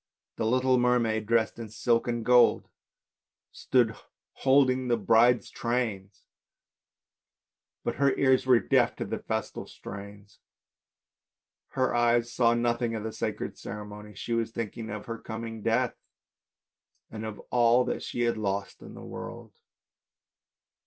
The little mermaid dressed in silk and gold stood holding the bride's THE MERMAID 19 train, but her ears were deaf to the festal strains, her eyes saw nothing of the sacred ceremony, she was thinking of her coming death and of all that she had lost in this world.